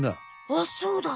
あっそうだ！